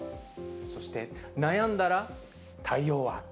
そして、悩んだら、対応は？